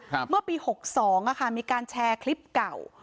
เมื่อปีหกสองอ่ะค่ะมีการแชร์คลิปเก่า